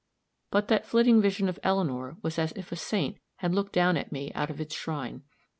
But that flitting vision of Eleanor was as if a saint had looked down at me out of its shrine.